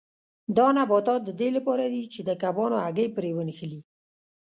دا نباتات د دې لپاره دي چې د کبانو هګۍ پرې ونښلي.